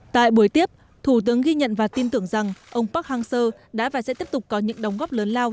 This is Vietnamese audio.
tại buổi tiếp thủ tướng ghi nhận và tin tưởng rằng ông park hang seo đã và sẽ tiếp tục có những đóng góp lớn lao